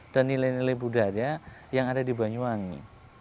dan nilai nilai budaya yang ada di banyuwangi